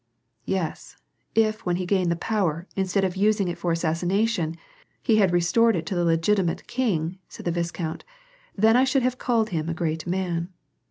"Yes, if, when he gained the power, instead of using it for assassination, he had restored it to the legitimate king," said the viscount, ^' then I should have called him a great man."